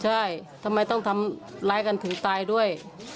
ใช่ทำไมต้องทำร้ายกันถึงตายด้วย